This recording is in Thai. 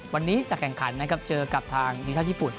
วันนี้จากแข่งขันเจอกับทางทีมชาติญี่ปุ่น